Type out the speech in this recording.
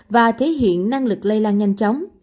và thể hiện năng lực lây lan nhanh chóng